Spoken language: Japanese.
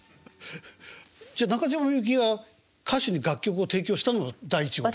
じゃ中島みゆきが歌手に楽曲を提供したのは第１号？